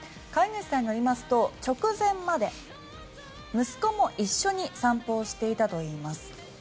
飼い主さんによりますと直前まで息子も一緒に散歩をしていたといいます。